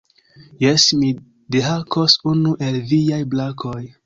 Jes, mi dehakos unu el viaj brakoj.